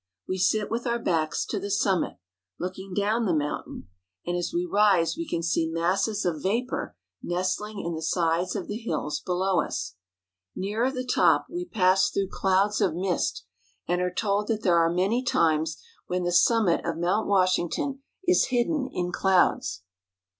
We sit with our backs to the summit, looking down the mountain ; and as we rise we can see masses of vapor nestling in the sides of the hills below us. Nearer the top we pass through clouds of mist, and are told that there are many times when the summit of Mount Washington is hidden in clouds.